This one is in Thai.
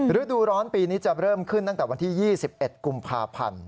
ฤดูร้อนปีนี้จะเริ่มขึ้นตั้งแต่วันที่๒๑กุมภาพันธ์